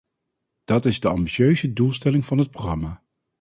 Dat is de ambitieuze doelstelling van het programma.